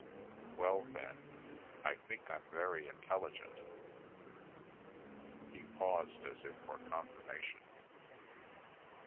Well, then, I think I'm very intelligent." He paused as if for confirmation.